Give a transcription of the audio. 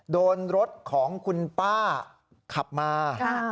โดนรถของคุณป้าขับมา